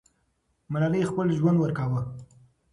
ملالۍ خپل ژوند ورکاوه.